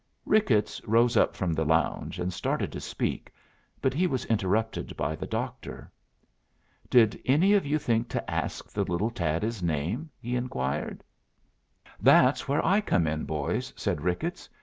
Ricketts rose up from the lounge, and started to speak, but he was interrupted by the doctor. "Did any of you think to ask the little tad his name?" he inquired. "That's where I come in, boys," said Ricketts.